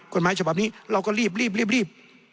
กฎหมายฉบับนี้เราก็รีบรีบรีบรีบ